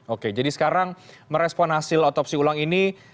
oke jadi sekarang merespon hasil otopsi ulang ini